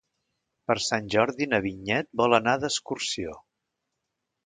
Per Sant Jordi na Vinyet vol anar d'excursió.